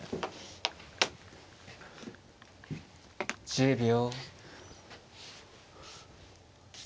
１０秒。